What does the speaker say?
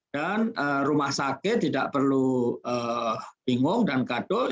dan rumah sakit tidak perlu bingung dan kato